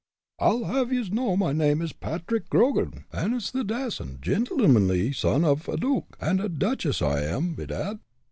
I'll have yez know my name is Patrick Grogan, an' it's the dacent, gintlemonly son av a duke and a duchess I am, bedad."